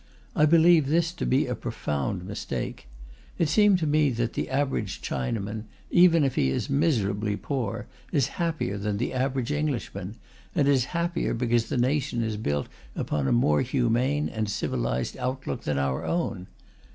I believe this to be a profound mistake. It seemed to me that the average Chinaman, even if he is miserably poor, is happier than the average Englishman, and is happier because the nation is built upon a more humane and civilized outlook than our own.